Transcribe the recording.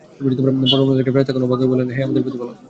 পর্বতমালা দেখে ফেরেশতাগণ অবাক হয়ে বললেন, হে আমাদের প্রতিপালক!